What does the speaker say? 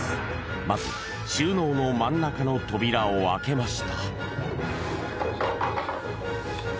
まず収納の真ん中の扉を開けました